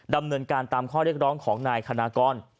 ดำเนินการตามข้อเรียกร้องของนายคณะกร